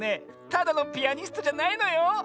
ただのピアニストじゃないのよ。